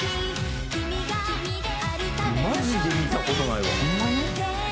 「マジで見た事ないわ」